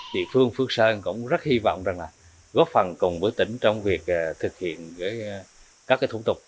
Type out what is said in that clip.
địa phương phước sơn cũng rất hy vọng góp phần cùng với tỉnh trong việc thực hiện các thủ tục